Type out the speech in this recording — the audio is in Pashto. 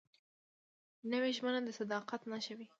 نوې ژمنه د صداقت نښه وي